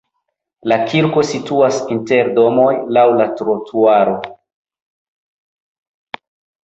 La kirko situas inter domoj laŭ la trotuaro.